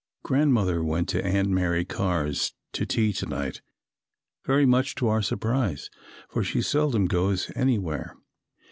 _ Grandmother went to Aunt Mary Carr's to tea to night, very much to our surprise, for she seldom goes anywhere.